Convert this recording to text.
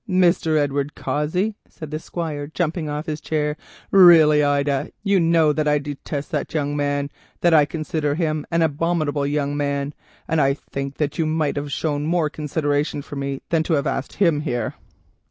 "Mr. Edward Cossey," said the Squire, jumping off his chair; "really, Ida, you know I detest that young man, that I consider him an abominable young man; and I think you might have shown more consideration to me than to have asked him here."